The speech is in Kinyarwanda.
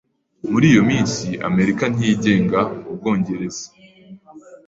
Muri iyo minsi, Amerika ntiyigenga Ubwongereza.